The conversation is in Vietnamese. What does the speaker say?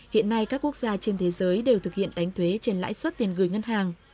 hiện nay các quốc gia trên thế giới đều thực hiện đánh thuế trên lãi suất tiền gửi ngân hàng